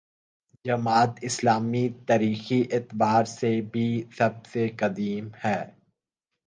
جماعت اسلامی تاریخی اعتبار سے بھی سب سے قدیم ہے۔